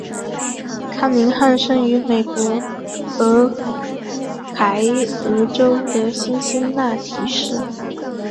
康宁汉生于美国俄亥俄州的辛辛那提市。